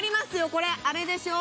これあれでしょ？